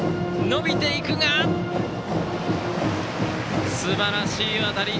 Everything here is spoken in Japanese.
伸びていくがすばらしい当たり。